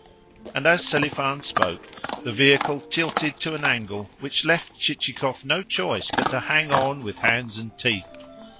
And as Selifan spoke the vehicle tilted to an angle which left Chichikov no choice but to hang on with hands and teeth.